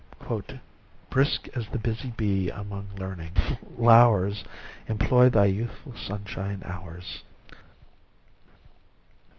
" Brisk as the busy bee among learning'* flowers, Employ thy youthful sunshine hours."